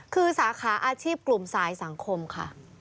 คือสาขาอาชีพกลุ่มสายสังคมค่ะ